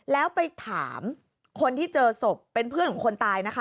แล้วไปถามคนที่เจอศพเป็นเพื่อนของคนตายนะคะ